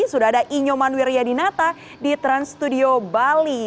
sudah ada i nyoman wiryadinata di trans studio bali